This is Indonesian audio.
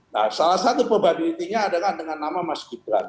nah salah satu probability nya adalah dengan nama mas gibran